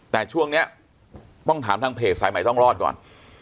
แต่ช่วงนี้ต้องถามทางเพจสายใหม่ต้องรอดก่อน